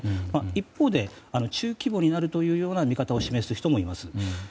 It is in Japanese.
一方で中規模になるというような見方を示す人もいます。